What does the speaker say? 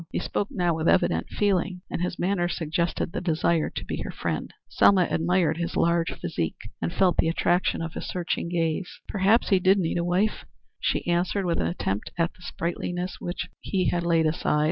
He spoke now with evident feeling, and his manner suggested the desire to be her friend. Selma admired his large physique and felt the attraction of his searching gaze. "Perhaps he did need a wife," she answered with an attempt at the sprightliness which he had laid aside.